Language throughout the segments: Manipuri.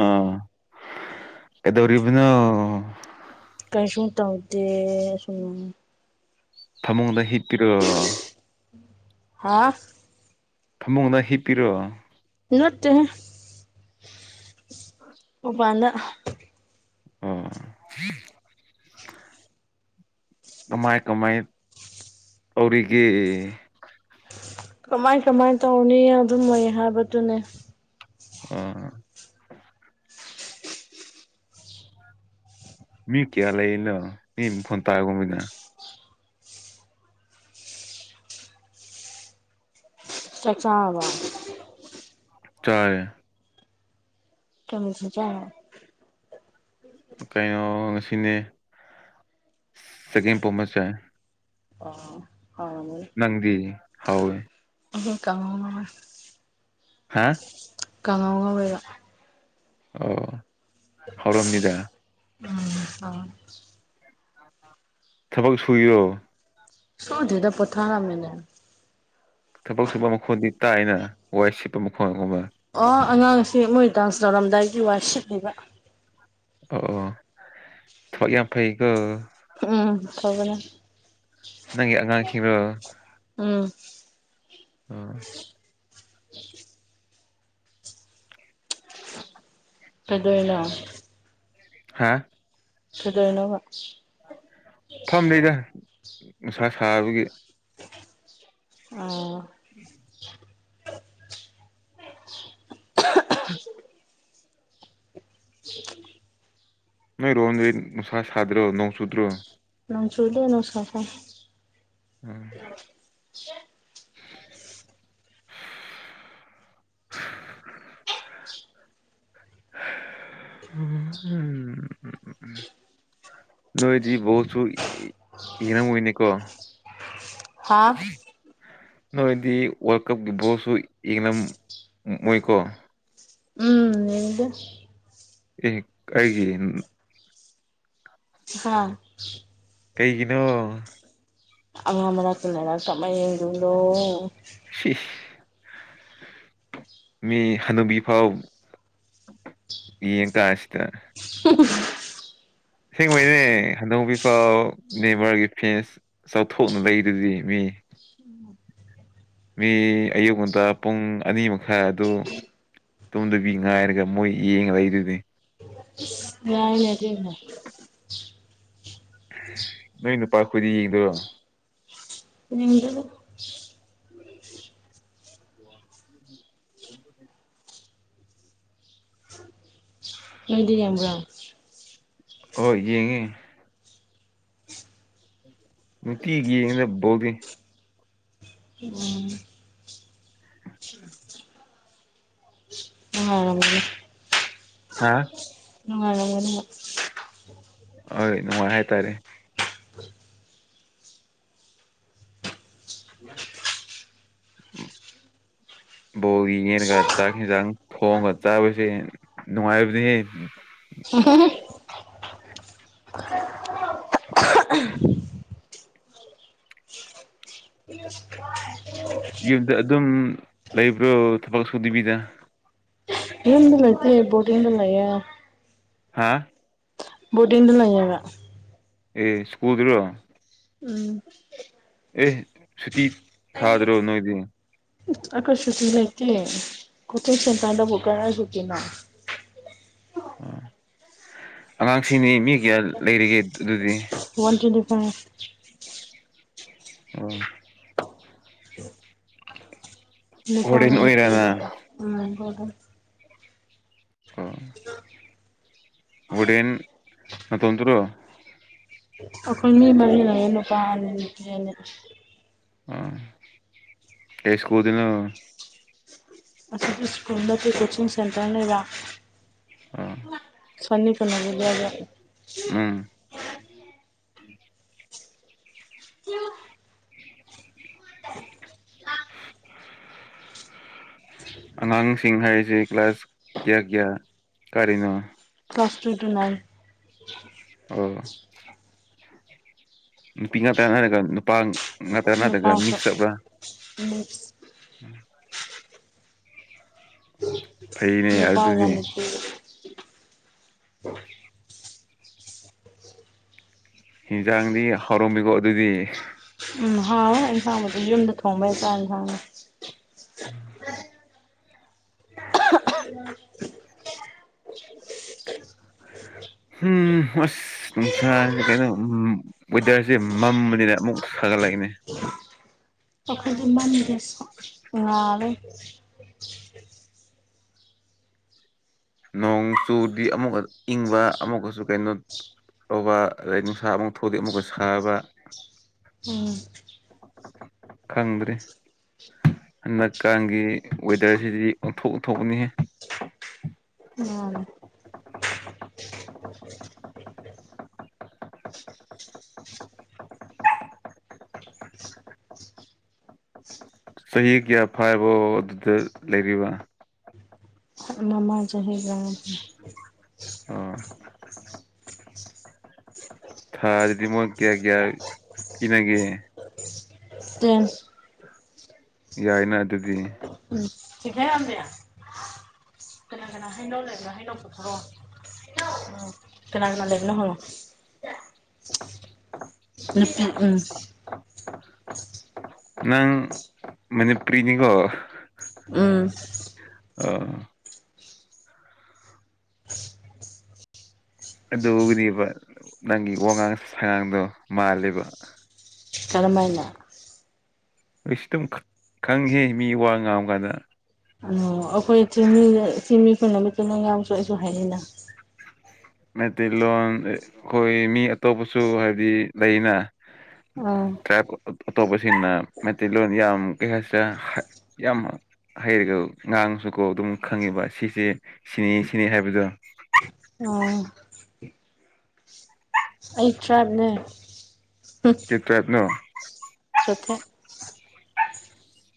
ꯑꯥ ꯀꯩꯗꯧꯔꯤꯕꯅꯣ ꯀꯩꯁꯨꯨ ꯇꯧꯗꯦ ꯁꯨꯝ ꯐꯃꯨꯡꯗ ꯍꯤꯞꯄꯤꯔꯣ ꯍꯥꯥ ꯐꯃꯨꯡꯗ ꯍꯤꯞꯄꯤꯔꯣ ꯅꯠꯇꯦꯍꯦ ꯃꯄꯥꯟꯗ ꯑꯣ ꯀꯃꯥꯏ ꯀꯃꯥꯏ ꯇꯧꯔꯤꯒꯦ ꯀꯃꯥꯏ ꯀꯃꯥꯏꯅ ꯇꯧꯅꯤ ꯑꯗꯨꯝ ꯂꯩ ꯍꯥꯏꯕꯗꯨꯅꯦ ꯑꯥ ꯃꯤ ꯀꯌꯥ ꯂꯩꯔꯤꯅꯣ ꯃꯤ ꯐꯣꯟ [unintelligible] ꯆꯥꯛ ꯆꯥꯔꯕꯣ ꯆꯥꯔꯦ ꯀꯩ ꯃꯊꯦꯜ ꯆꯥꯏꯅꯣ ꯀꯩꯅꯣ ꯉꯁꯤꯅꯦ ꯆꯒꯦꯝ ꯄꯣꯝꯕ ꯆꯥꯏ ꯑꯣ ꯍꯥꯎꯔꯝꯒꯅꯤ ꯅꯪꯗꯤ ꯍꯥꯎꯋꯦ ꯑꯈꯣꯏ ꯀꯥꯡꯉꯧ ꯉꯧꯋꯦ ꯍꯥꯥ ꯀꯥꯡꯍꯧ ꯉꯧꯋꯦꯕ ꯑꯣ ꯍꯥꯎꯔꯝꯅꯤꯗ ꯎꯝ ꯍꯥꯎꯋꯦ ꯊꯕꯛ ꯁꯨꯏꯔꯣ ꯁꯨꯗꯦꯗ ꯄꯣꯊꯥꯔꯝꯃꯤꯅꯦ ꯊꯕꯛ ꯁꯨꯕ ꯃꯈꯣꯟꯗꯤ ꯇꯥꯏꯅ ꯋꯥꯏ ꯁꯤꯠꯄ ꯃꯈꯣꯟ ꯒꯨꯝꯕ ꯑꯣ ꯑꯉꯥꯡꯁꯤꯡ ꯃꯣꯏ ꯗꯥꯟꯁ ꯇꯧꯔꯝꯗꯥꯏꯒꯤ ꯋꯥꯏ ꯁꯤꯠꯂꯤꯕ ꯑꯣ ꯑꯣ ꯊꯕꯛ ꯌꯥꯝ ꯐꯩꯀꯣ ꯎꯝ ꯐꯕꯅꯦ ꯅꯪꯒꯤ ꯑꯉꯥꯡꯁꯤꯡꯔꯣ ꯎꯝ ꯑꯣ ꯀꯩꯗꯧꯔꯤꯅꯣ ꯍꯥ ꯀꯩꯗꯧꯔꯤꯅꯣꯕ ꯐꯝꯔꯤꯗꯥ ꯅꯨꯡꯁꯥ ꯁꯥꯕꯒꯤ ꯑꯣ [unintelligible] [unintelligible] ꯅꯣꯏ ꯔꯣꯝꯗꯗꯤ ꯅꯨꯡꯁꯥ ꯁꯥꯗ꯭ꯔꯣ ꯅꯣꯡ ꯆꯨꯗ꯭ꯔꯣ ꯅꯣꯡ ꯆꯨꯗꯦ ꯅꯨꯡꯁꯥ ꯁꯥꯏ ꯎꯝ [inaudible] [unintelligible] ꯅꯣꯏꯗꯤ ꯕꯣꯜꯁꯨ ꯌꯦꯡꯔꯝꯃꯣꯏꯅꯦꯀꯣ ꯍꯥ ꯅꯣꯏꯗꯤ ꯋꯥꯔꯜ ꯀꯞꯀꯤ ꯕꯣꯜꯁꯨ ꯌꯦꯡꯂꯝ ꯃꯣꯏꯀꯣ ꯎꯝ ꯌꯦꯡꯗꯦ ꯇꯦ ꯀꯩꯒꯤ [unintelligible] ꯍꯥꯥ ꯀꯩꯒꯤꯅꯣ [unintelligible] ꯁꯤꯁ ꯃꯤ ꯍꯟꯅꯨꯕꯤ ꯐꯥꯎ ꯌꯦꯡ [unintelligible] [unintelligible] ꯁꯦꯡꯕꯩꯅꯦ ꯍꯅꯧꯕꯤꯐꯥꯏ ꯅꯤꯕ꯭ꯔꯒꯤ ꯐꯦꯁ ꯆꯥꯎꯊꯣꯛꯅ ꯂꯩꯗꯨꯗꯤ ꯃꯤ [inaudible] ꯃꯤ ꯑꯌꯨꯛ ꯉꯟꯇ ꯄꯨꯡ ꯑꯅꯤ ꯃꯈꯥꯏ ꯑꯗꯨ ꯇꯣꯝꯗꯕꯤ ꯉꯥꯏꯔꯒ ꯃꯣꯏ ꯌꯦꯡꯉ ꯂꯩꯗꯨꯗꯤ [unintelligible] ꯅꯣꯏ ꯅꯨꯄꯥꯈꯣꯏꯗꯤ ꯌꯦꯡꯗꯣꯏꯔꯣ [unintelligible] [inaudible] [inaudible] ꯅꯣꯏꯗꯤ ꯌꯦꯡꯕ꯭ꯔꯥ ꯑꯣ ꯌꯦꯡꯉꯦ ꯅꯨꯡꯇꯤꯒꯤ ꯌꯦꯡꯉꯤꯗ ꯕꯣꯜꯗꯤ ꯎꯝ [unintelligible] ꯍꯥꯥ ꯅꯨꯡꯉꯥꯏꯔꯝꯒꯅꯤꯕ ꯍꯣꯏ ꯅꯨꯡꯉꯥꯏ ꯍꯥꯏꯇꯥꯔꯦ [inaudible] ꯕꯣꯜ ꯌꯦꯡꯔꯒ ꯆꯥꯛ ꯍꯦꯟꯖꯥꯡ ꯊꯣꯡꯉꯒ ꯆꯥꯕꯁꯦ ꯅꯨꯡꯉꯥꯏꯕꯅꯤꯍꯦ [unintelligible] ꯌꯨꯝꯗ ꯑꯗꯨꯝ ꯂꯩꯕ꯭ꯔꯣ ꯊꯕꯛ ꯁꯨꯗꯕꯤꯗ ꯌꯨꯝꯗ ꯂꯩꯇꯦ ꯕꯣꯔꯗꯤꯡꯗ ꯂꯩꯌꯦ ꯍꯥꯥ ꯕꯣꯔꯗꯤꯡꯗ ꯂꯩꯌꯦꯕ ꯑꯦ ꯁ꯭ꯀꯨꯜꯗꯔꯣ ꯎꯝ ꯑꯦ ꯁꯨꯇꯤ ꯊꯥꯗ꯭ꯔꯣ ꯅꯣꯏꯗꯤ ꯑꯩꯈꯣꯏ ꯁꯨꯇꯤ ꯂꯩꯇꯦ ꯀꯣꯆꯤꯛ ꯁꯦꯟꯇ꯭ꯔꯗꯕꯨ ꯀꯔꯥꯏꯗꯩ ꯇꯤꯅꯣ ꯑꯣ ꯑꯉꯥꯡꯁꯤꯡꯅꯤ ꯃꯤ ꯀꯌꯥ ꯂꯩꯔꯤꯒꯦ ꯑꯗꯨꯗꯤ ꯋꯥꯟ ꯇ꯭ꯋꯦꯟꯇꯤ ꯐꯥꯏꯚ ꯑꯣ ꯅꯨꯄꯥꯒ ꯋꯥꯔꯗꯦꯟ ꯑꯣꯏꯔꯅ ꯅꯨꯄꯤꯒ [unintelligible] ꯑꯣ ꯋꯥꯔꯗꯦꯟ ꯅꯇꯣꯝꯇꯔꯣ ꯑꯩꯈꯣꯏ ꯃꯤ ꯃꯔꯤ ꯂꯩꯌꯦ ꯅꯨꯄꯥ ꯑꯅꯤ ꯅꯨꯄꯤ ꯑꯅꯤ ꯑꯣ ꯀꯩ ꯁ꯭ꯀꯨꯜꯗꯅꯣ ꯑꯁꯤꯗꯤ ꯁ꯭ꯀꯨꯜ ꯅꯠꯇꯦ ꯀꯣꯆꯤꯡ ꯁꯦꯟꯇꯔꯅꯦꯕ ꯑꯥ ꯐꯅꯦꯛ ꯀꯩꯅꯣꯒꯤꯗꯣ ꯌꯥꯎꯕ꯭ꯔꯥ ꯎꯝ [unintelligible] ꯑꯉꯥꯡꯁꯤꯡ ꯍꯥꯏꯔꯤꯁꯤ ꯀ꯭ꯂꯥꯁ ꯀ꯭ꯌꯥ ꯀ꯭ꯌꯥ ꯀꯥꯔꯤꯅꯣ ꯀ꯭ꯂꯥꯁ ꯊ꯭ꯔꯤ ꯇꯨ ꯅꯥꯏꯟ ꯑꯣ ꯅꯨꯄꯤ ꯉꯥꯇ ꯉꯥꯏꯔꯒ ꯅꯨꯄꯥ ꯉꯥꯛꯇ ꯅꯠꯇ꯭ꯔꯒ ꯅꯨꯄꯥꯁꯨ ꯃꯤꯛꯁ ꯑꯞꯔꯥ ꯎꯝ ꯐꯩꯅꯦ ꯅꯨꯄꯥꯥ ꯑꯗꯨꯗꯤ ꯋꯥꯟ ꯊ꯭ꯔꯤ ꯍꯤꯟꯖꯥꯡꯗꯤ ꯍꯥꯎꯔꯝꯃꯤꯒꯣ ꯑꯗꯨꯗꯤ ꯎꯝ ꯍꯥꯎꯋꯦ ꯏꯟꯁꯥꯡꯕꯨꯗꯤ ꯌꯨꯝꯗ ꯊꯣꯡꯕꯩ ꯆꯥꯛ ꯑꯦꯟꯁꯥꯡꯅꯤ [inaudible] [unintelligible] ꯍꯨꯝ ꯑꯁ ꯅꯨꯡꯁꯥꯖꯦ ꯀꯩꯅꯣ ꯎꯝ ꯋꯦꯗꯔꯖꯦ ꯃꯝꯕꯅꯤꯅ ꯑꯃꯨꯛ ꯁꯥꯒꯠꯂꯛꯏꯅꯦ ꯑꯈꯣꯏꯗꯤ ꯃꯝꯗꯦ ꯁ ꯉꯥꯜꯂꯦ ꯅꯣꯡ ꯆꯨꯗꯤ ꯑꯃꯨꯛꯒ ꯏꯪꯕ ꯑꯃꯨꯛꯀꯁꯨ ꯀꯩꯅꯣ ꯇꯧꯕ ꯑꯗꯩ ꯅꯨꯡꯁꯥ ꯑꯃꯨꯛ ꯊꯣꯛꯑꯗꯤ ꯑꯃꯨꯛꯀ ꯁꯥꯕ ꯎꯝ ꯈꯪꯗ꯭ꯔꯦ ꯍꯟꯗꯛꯀꯥꯟꯒꯤ ꯋꯦꯗꯔꯁꯤꯗꯤ ꯑꯣꯟꯊꯣꯛ ꯑꯣꯊꯣꯛꯅꯤꯍꯦ ꯃꯥꯅꯦ ꯆꯍꯤ ꯀ꯭ꯌꯥ ꯐꯥꯔꯕꯣ ꯑꯗꯨꯗ ꯂꯩꯔꯤꯕ ꯃꯃꯥꯡ ꯆꯍꯤ ꯔꯥꯁ ꯑ ꯊꯥꯗꯗꯤ ꯃꯣꯏ ꯀ꯭ꯌꯥ ꯀ꯭ꯌꯥ ꯄꯤꯅꯒꯦ [inaudible] ꯇꯦꯟ ꯌꯥꯏꯅꯥ ꯑꯗꯨꯗꯤ ꯆꯤꯡꯈꯩꯉꯥꯝꯕꯤ ꯀꯅꯥ ꯀꯅꯥ ꯍꯩꯅꯧ ꯂꯩꯕꯅꯣ ꯍꯩꯅꯧ ꯄꯨꯊꯣꯔꯣ ꯍꯩꯅꯧ ꯑꯥ ꯀꯅꯥ ꯀꯅꯥ ꯂꯩꯕꯅꯣ ꯍꯪꯉꯣ ꯅꯨꯄꯤ ꯎꯝ ꯅꯪ ꯃꯅꯤꯄꯨꯔꯤꯅꯤꯀꯣ ꯎꯝ ꯑ ꯑꯗꯨꯒꯤꯅꯤꯕ ꯅꯪꯒꯤ ꯋꯥꯉꯥꯡ ꯁꯉꯥꯡꯗꯣ ꯃꯥꯜꯂꯦꯕ ꯀꯔꯃꯥꯏꯅꯥ ꯑꯩꯁ ꯇꯨꯝ ꯈꯪꯉꯤꯍꯦ ꯃꯤ ꯋꯥ ꯉꯥꯡꯕꯒꯥꯟꯗꯥ ꯑꯣ ꯑꯈꯣꯏ ꯆꯤꯡꯃꯤ ꯆꯤꯡꯃꯤ ꯑꯈꯣꯏꯅ ꯃꯤꯇꯩꯂꯣꯟ ꯉꯥꯡꯕꯁꯨ ꯑꯩꯁꯨ ꯍꯩꯌꯦꯅꯥ ꯃꯩꯇꯩꯂꯣꯟ ꯈꯣꯏ ꯃꯤ ꯑꯇꯣꯞꯄꯁꯨ ꯍꯥꯏꯕꯗꯤ ꯂꯩꯌꯦꯅꯥ ꯑꯥ ꯇ꯭ꯔꯥꯏꯞ ꯑ ꯑ ꯑꯇꯣꯞꯄꯁꯤꯡꯅ ꯃꯩꯇꯩꯂꯣꯟ ꯌꯥꯝ ꯀꯩ ꯍꯥꯏꯁꯤꯔꯥ ꯍꯥ ꯌꯥꯝ ꯍꯩꯔꯒ ꯉꯥꯡꯉꯁꯨꯀꯣ ꯑꯗꯨꯝ ꯈꯪꯉꯦꯕ ꯁꯤꯁꯦ ꯁꯤꯅꯤ ꯁꯤꯅꯤ ꯍꯥꯏꯕꯗꯣ ꯑꯣ ꯑꯩ ꯇ꯭ꯔꯥꯏꯞꯅꯦ ꯀꯩ ꯇꯔ꯭ꯥꯏꯞꯅꯣ ꯆꯣꯊꯦ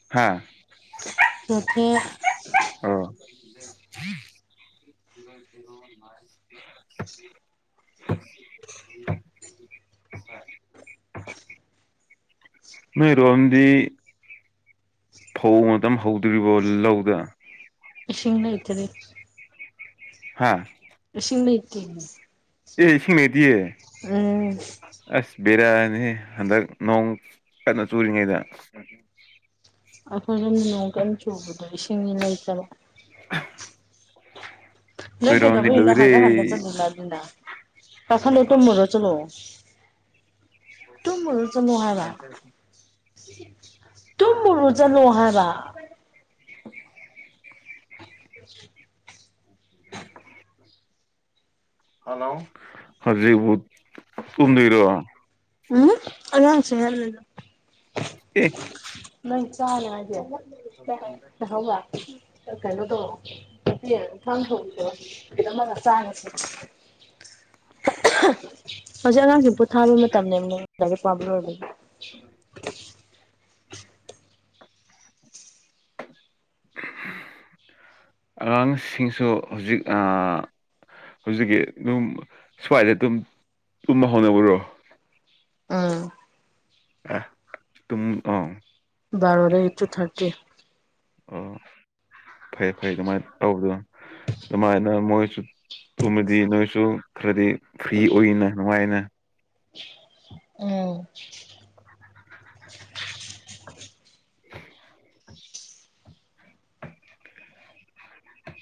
ꯍꯥꯥ ꯆꯣꯊꯦ ꯑꯣ ꯅꯣꯏꯔꯣꯝꯗꯤ ꯐꯧ [unintelligible] ꯍꯧꯗꯔ꯭ꯤꯕꯣ ꯂꯧꯗ ꯏꯁꯤꯡ ꯂꯩꯇꯔꯤ ꯍꯥꯥ ꯏꯁꯤꯡ ꯂꯩꯇꯦꯃꯤ ꯑꯦ ꯏꯁꯤꯡ ꯂꯩꯇꯤꯌꯦ ꯎꯝ ꯑꯁ ꯕꯦꫪꯥꯅꯤꯍꯦ ꯍꯟꯗꯛ ꯅꯣꯡ ꯀꯟꯅ ꯆꯨꯔꯤꯉꯩꯗ ꯑꯈꯣꯏꯔꯣꯝꯗ ꯅꯣꯡ ꯀꯟꯅ ꯆꯨꯕꯗꯣ ꯏꯁꯤꯡꯅꯤ ꯂꯩꯇꯕ [unintelligible] ꯅꯣꯢ ꯀꯩꯗꯧ ꯑꯩꯈꯣꯏꯔꯣꯝꯗꯤ ꯂꯩꯅꯣ ꯂꯣꯏꯔꯦ ꯍꯥꯟꯒꯠ ꯍꯥꯟꯗ ꯆꯂꯤꯅ ꯗꯨꯅ ꯀꯈꯠꯂꯣ ꯇꯨꯃꯣꯔꯣ ꯆꯂꯣ ꯇꯃꯨꯔꯣ ꯆꯠꯂꯣ ꯍꯥꯏꯕ ꯇꯨꯝꯃꯨꯔꯣ ꯆꯠꯂꯣ ꯍꯥꯏꯕ [inaudible] ꯍꯜꯂꯣ ꯍꯧꯖꯤꯛꯕꯨ ꯇꯨꯝꯗꯣꯏꯔꯣ ꯎꯝ ꯑꯉꯥꯡ [unintelligible] ꯀ ꯅꯪ ꯆꯥꯅꯦ ꯍꯥꯏꯗꯤ ꯂꯩꯍꯧꯕ ꯀꯩꯅꯣꯗꯣ [unintelligible] ꯍꯧꯖꯤꯛ ꯑꯉꯥꯡꯁꯤ ꯚꯨꯠ ꯊꯥꯟ ꯃꯇꯝꯅꯦꯝꯅꯦ ꯂꯥꯏꯔꯤꯛ ꯄꯥꯕ ꯂꯣꯏꯔꯕ [inaudible] [inaudible] ꯑꯉꯥꯡꯁꯤꯡꯁꯨ ꯍꯧꯖꯤꯛ ꯑꯥ ꯍꯧꯖꯤꯛꯀꯤ ꯑꯗꯨꯝ ꯁ꯭ꯋꯥꯏꯗ ꯑꯗꯨꯝ ꯇꯨꯝꯕ ꯍꯧꯅꯕꯔꯣ ꯑꯥ ꯑꯥ ꯇꯨꯝ ꯑꯥ ꯕꯥꯔꯣ ꯗꯒꯤ ꯇꯨ ꯊꯥꯔꯇꯤ ꯑꯣ ꯐꯩ ꯐꯩ ꯑꯗꯨꯃꯥꯏꯅ ꯇꯧꯕꯗꯣ ꯑꯗꯨꯃꯥꯏꯅ ꯃꯣꯏꯁꯨ ꯇꯨꯃꯗꯤ ꯅꯣꯏꯁꯨ ꯈꯔꯗꯤ ꯐ꯭ꯔꯤ ꯑꯣꯏꯅ ꯅꯨꯡꯉꯥꯏꯅ ꯎꯝ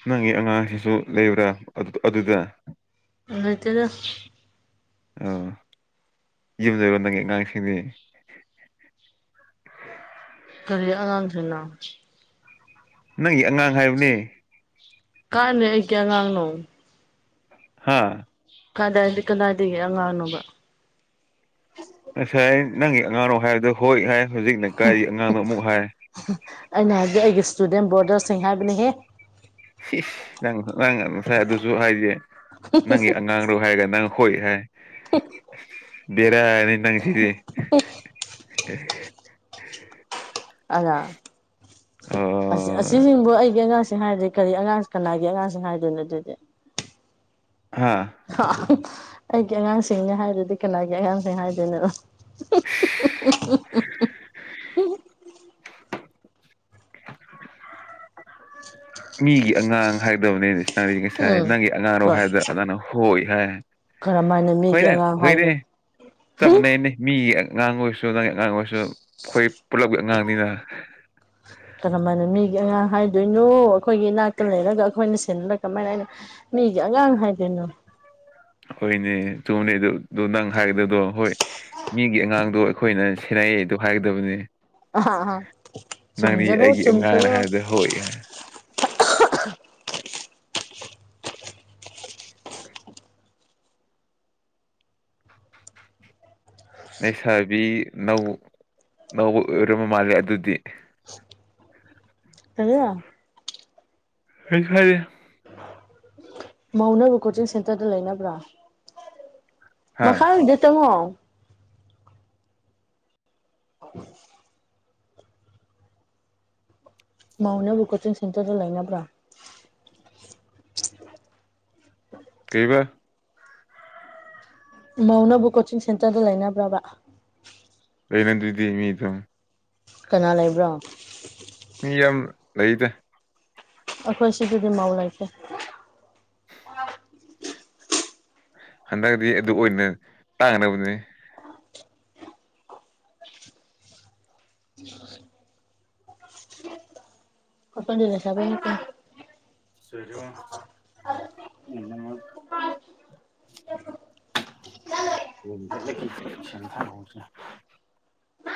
ꯅꯪꯒꯤ ꯑꯉꯥꯡꯁꯤꯁꯨ ꯂꯩꯕ꯭ꯔꯥ ꯑꯗꯨ ꯑꯗꯨꯗ ꯂꯩꯇꯦꯗ ꯑꯥ ꯌꯨꯝ ꯂꯩꯕꯔꯣ ꯅꯪꯒꯤ ꯑꯉꯥꯡꯁꯤꯡꯗꯤ ꯀꯔꯤ ꯑꯉꯥꯡꯁꯤꯡꯅꯣ ꯅꯪꯒꯤ ꯑꯉꯥꯡ ꯍꯥꯏꯕꯅꯦ ꯀꯥꯢ ꯂꯩ ꯑꯩꯒꯤ ꯑꯉꯥꯡꯅꯣ ꯍꯥꯥ ꯀꯥꯗꯥꯏꯗꯗꯤ ꯀꯗꯥꯏꯗꯒꯤ ꯑꯉꯥꯡꯅꯣꯕ ꯉꯁꯥꯏ ꯅꯪꯒꯤ ꯑꯉꯥꯡꯔꯣ ꯍꯥꯏꯕꯗꯨ ꯍꯣꯏ ꯍꯥꯏ ꯍꯨꯖꯤꯛꯅ ꯀꯥꯏꯗꯒꯤ ꯑꯉꯥꯡꯅꯣ ꯑꯃꯨꯛ ꯍꯥꯏ ꯑꯩꯅ ꯍꯥꯏꯗꯤ ꯑꯩꯒꯤ ꯏꯁꯇꯨꯗꯦꯟ ꯕꯣꯔꯗꯔꯁꯤꯡ ꯍꯥꯏꯕꯅꯤꯍꯦ ꯅꯪ ꯅꯪ ꯉꯁꯥꯏ ꯑꯗꯨꯁꯨ ꯍꯥꯏꯗꯦ ꯅꯪꯒꯤ ꯑꯉꯥꯡꯔꯣ ꯍꯥꯏꯔꯒ ꯅꯪ ꯍꯣꯏ ꯍꯥꯏ ꯕꯦꯔꯥꯅꯤ ꯅꯪꯁꯤꯗꯤ [inaudible] ꯑꯣ ꯑꯁꯤꯁꯤꯡꯕꯨ ꯑꯩꯒꯤ ꯑꯉꯥꯡꯁꯤꯡ ꯍꯥꯏꯔꯗꯤ ꯀꯔꯤ ꯑꯉꯥꯡ ꯀꯅꯥꯒꯤ ꯑꯉꯥꯡꯁꯤꯡ ꯍꯥꯏꯗꯣꯏꯅꯣ ꯑꯗꯨꯗꯤ ꯍꯥꯥ [inaudible] ꯑꯩꯒꯤ ꯑꯉꯥꯡꯁꯤꯡꯅꯦ ꯍꯥꯏꯗꯔꯗꯤ ꯀꯅꯥꯒꯤ ꯑꯉꯥꯡꯁꯤꯡ ꯍꯥꯏꯗꯣꯏꯅꯣ ꯃꯤꯒꯤ ꯑꯉꯥꯡ ꯍꯥꯏꯗꯧꯕꯅꯦ ꯏꯁ ꯅꯪꯗꯤ ꯉꯁꯥꯏ ꯎꯝ ꯅꯪꯒꯤ ꯑꯉꯥꯡꯔꯣ ꯍꯥꯏꯕꯗ ꯅꯪꯅ ꯍꯣꯏ ꯍꯥꯏ ꯀꯔꯝ ꯍꯥꯏꯅ ꯃꯤꯒꯤ ꯍꯣꯏꯅꯦ ꯑꯉꯥꯡ ꯍꯣꯏꯅꯦ ꯍꯥꯏꯒꯦ ꯆꯞ ꯃꯅꯩꯅꯦ ꯃꯤꯒꯤ ꯑꯉꯥꯡ ꯑꯣꯏꯔꯁꯨ ꯅꯪꯒꯤ ꯑꯉꯥꯡ ꯑꯣꯏꯔꯁꯨ ꯑꯩꯈꯣꯏ ꯄꯨꯜꯂꯞꯒꯤ ꯑꯉꯥꯡꯅꯤꯅ ꯀꯔꯝ ꯃꯥꯏꯅ ꯃꯤꯒꯤ ꯑꯉꯥꯡ ꯍꯥꯏꯗꯣꯏꯅꯣ ꯑꯩꯈꯣꯏꯒꯤ ꯏꯅꯥꯛꯇ ꯂꯩꯔꯒ ꯑꯩꯈꯣꯏꯅ ꯁꯦ [inaudible] ꯀꯃꯥꯏꯅ ꯑꯩꯅꯥ ꯃꯤꯒꯤ ꯑꯉꯥꯡ ꯍꯥꯏꯗꯣꯏꯅꯣ ꯍꯣꯢꯅꯦ ꯆꯨꯝꯕꯅꯦ ꯗꯨ ꯗꯨ ꯅꯪ ꯍꯥꯏꯒꯗꯗꯣ ꯍꯣꯏ ꯃꯤꯒꯤ ꯑꯉꯥꯡꯗꯨ ꯑꯩꯈꯣꯏꯅ ꯁꯦꯟꯅꯩꯗꯨ ꯍꯥꯏꯒꯗꯕꯅꯤ ꯅꯪꯗꯤ ꯆꯨꯝꯖꯔꯣ ꯑꯩꯒꯤ ꯑꯉꯥꯡꯅ ꯆꯨꯝꯖꯔꯣ ꯍꯥꯏꯕꯗ ꯍꯣꯏ ꯅꯩꯁꯥꯕꯤ ꯅꯧ ꯅꯧꯕ ꯑꯣꯏꯔꯃ ꯃꯥꯜꯂꯦ ꯑꯗꯨꯗꯤ ꯀꯔꯤ ꯀꯤꯁꯨ ꯍꯥꯏꯗ° ꯃꯩꯅꯕ ꯀꯣꯆꯤꯡ ꯁꯦꯟꯇꯔꯗ ꯂꯩꯅꯕ꯭ꯔꯥ ꯍꯥ ꯃꯈꯥꯒꯤꯗ ꯆꯪꯉꯣ [inaudible] ꯃꯪꯅꯕꯕꯨ ꯀꯣꯆꯤꯡ ꯁꯦꯟꯇꯔꯗ ꯂꯩꯅꯕ꯭ꯔꫭ ꯀꯩ ꯍꯥꯏꯕꯥ ꯃꯧꯅ ꯕꯨ ꯀꯣꯆꯤꯡ ꯁꯦꯟꯇꯔꯗ ꯂꯩꯅꯕ꯭ꯔꯕꯥ ꯔꯤꯅꯩꯗꯨꯗꯤ ꯃꯤ ꯑꯗꯨꯝ ꯀꯅꯥ ꯂꯩꯕ꯭ꯔꯣ ꯃꯤ ꯌꯥꯝ ꯂꯩꯗ ꯑꯩꯈꯣꯏ ꯁꯤꯗꯥꯗꯤ ꯃꯧ ꯂꯩꯇꯦ ꯍꯟꯗꯛꯇꯗꯤ ꯑꯗꯨ ꯑꯣꯏꯅ ꯇꯥꯡꯅꯕꯅꯦ [unintelligible] ꯑꯩꯈꫭꯏꯗꯤ ꯔꯤꯁꯥꯕꯤ ꯅꯠꯇꯦ [unintelligible] [unintelligible]